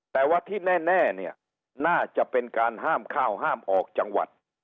แต่ว่าที่แน่เนี่ยน่าจะเป็นการห้ามข้าวห้ามออกจังหวัด